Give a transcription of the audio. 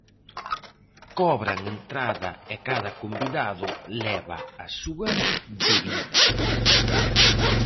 Cobran entrada e cada convidado leva a súa bebida.